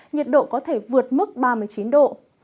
nhiệt độ có thể vượt mức ba mươi chín độ